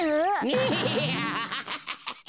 ナハハハハ。